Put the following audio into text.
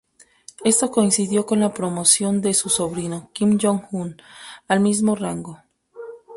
Esto coincidió con la promoción de su sobrino, Kim Jong-un, al mismo rango.